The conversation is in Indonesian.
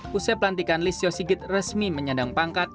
pusat pelantikan lisio sigit resmi menyandang pangkat